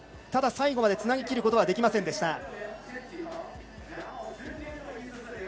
ただ、最後までつなぎきることができませんでした。